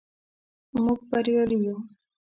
موږ بریالي یو.